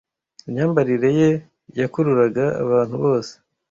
Imyambarire ye yakururaga abantu bose